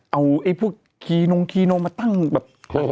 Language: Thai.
เอาพวกกีโนงมาตั้งแบบ